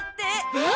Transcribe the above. えっ？